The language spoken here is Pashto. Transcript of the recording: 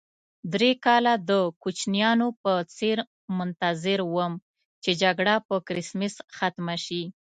درې کاله د کوچنیانو په څېر منتظر وم چې جګړه په کرېسمس ختمه شي.